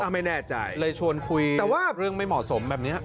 ไม่แน่ใจเลยชวนคุยแต่ว่าเรื่องไม่เหมาะสมแบบนี้